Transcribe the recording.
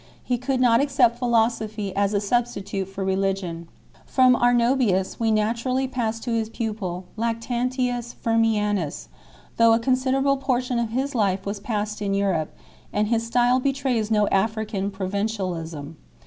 He could not accept philosophy as a substitute for religion. From Arnobius we naturally pass to his pupil Lactan tius Firmianus 2 , though a considerable portion of his life was passed in Europe, and his style betrays no African provincialism.